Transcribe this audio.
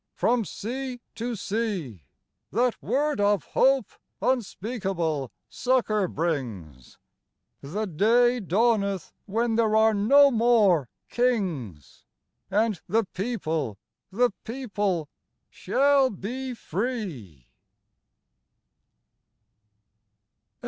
From sea to sea That Word of hope unspeakable succour brings; The day dawneth when there are no more Kings: And the People, the People shall be free!